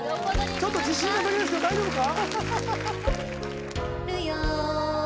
ちょっと自信なさげですけど大丈夫か？